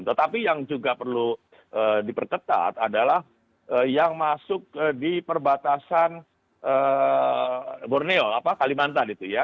tetapi yang juga perlu diperketat adalah yang masuk di perbatasan borneo kalimantan itu ya